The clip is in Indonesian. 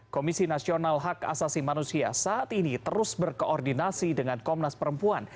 komisi nasional hak asasi manusia saat ini terus berkoordinasi dengan komnas perempuan